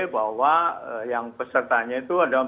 bahwa yang pesertanya itu ada empat puluh sembilan